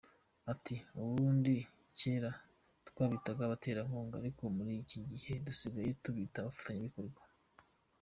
Ati « Ubundi cyera twabitaga abaterankunga, ariko muri iki gihe dusigaye tubita abafatanyabikorwa.